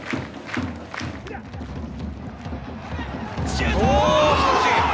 シュート！